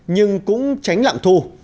nhưng cũng tránh lạng thu